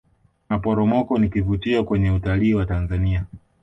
maporomoko ni kivutio kwenye utalii wa tanzania